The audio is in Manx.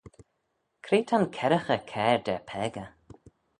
Cre ta'n kerraghey cair da peccah?